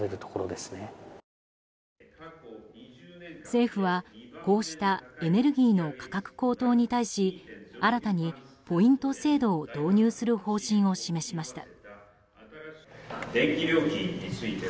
政府は、こうしたエネルギーの価格高騰に対し新たにポイント制度を導入する方針を示しました。